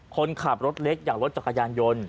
คนขับรถเล็กอย่างรถจักรยานยนต์